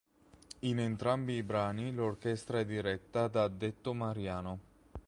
In entrambi i brani l'orchestra è diretta da Detto Mariano.